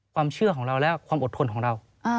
ความเชื่อของเราและความอดทนของเรา